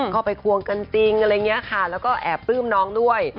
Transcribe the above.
ไปควงกันจริงอะไรอย่างนี้ค่ะแล้วก็แอบปลื้มน้องด้วย